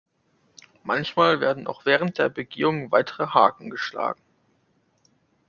Manchmal werden auch während der Begehung weitere Haken geschlagen.